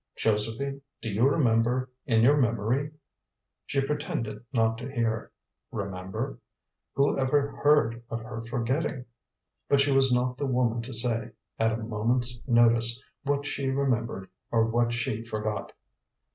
"Josephine, do you remember in your memory " She pretended not to hear. Remember? Who ever heard of her forgetting? But she was not the woman to say, at a moment's notice, what she remembered or what she forgot.